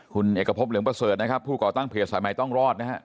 คุณเอกพบเหลืองประเสริฐนะครับผู้ก่อตั้งเพจสายใหม่ต้องรอดนะฮะ